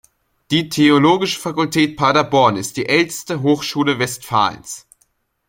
Die Theologische Fakultät Paderborn ist die älteste Hochschule Westfalens.